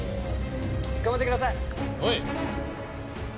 頑張ってください！